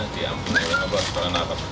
diampuni oleh allah